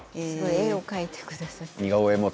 絵を描いてくださって。